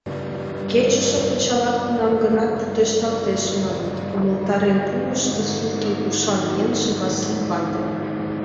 — Кечыше пычалат кунам-гынат пудешталтеш, маныт, — умылтарен пуыш ты суртын ушан еҥже, Васлий вате.